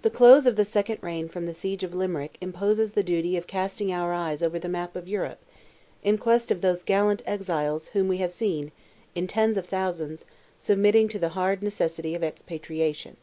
The close of the second reign from the siege of Limerick imposes the duty of casting our eyes over the map of Europe, in quest of those gallant exiles whom we have seen, in tens of thousands, submitting to the hard necessity of expatriation.